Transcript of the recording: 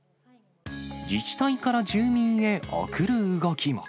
自治体から住民へ贈る動きも。